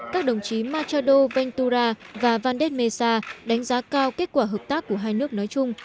các đồng chí machado ventura và vande mesa đánh giá cao kết quả hợp tác của hai nước nói chung